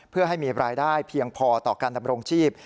เพื่อให้มีรายได้เพียงพอต่อการดำรงชีพ